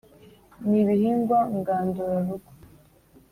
ni ibihingwa ngandura rugo